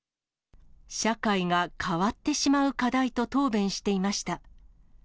社会が変わってしまう課題と答弁していました。